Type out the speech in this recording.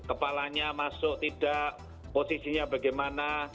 kepalanya masuk tidak posisinya bagaimana